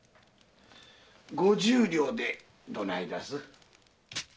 五十両でどないだす？